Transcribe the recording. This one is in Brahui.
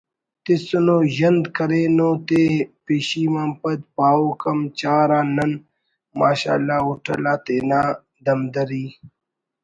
تسنو ژند کرینوتے پیشم آن پد پاؤ کم چار آ نن ماشاء اللہ ہوٹل آ تینا دمدری